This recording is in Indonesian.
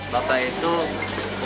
bapak itu sudah